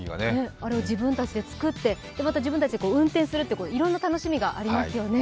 あれを自分たちで作って自分たちで運転するといういろんな楽しみがありますよね。